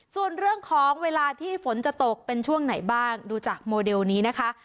ส่วนเรื่องของเวลาที่ฝนจะตกเป็นช่วงไหนบ้างดูจากโมเดลนี้นะคะ